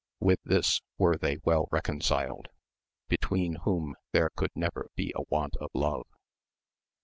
With this were they well reconciled, between whom there could never be a want of love.